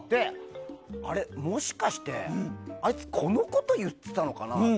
あれ、もしかしてあいつ、このこと言ってたのかなと。